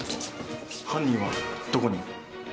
犯人はどこに？